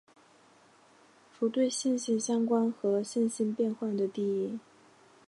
如对线性相关和线性变换的定义。